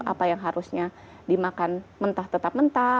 apa yang harusnya dimakan mentah tetap mentah